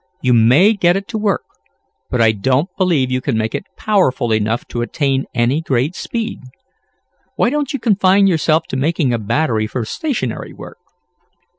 You may get it to work, but I don't believe you can make it powerful enough to attain any great speed. Why don't you confine yourself to making a battery for stationary work?"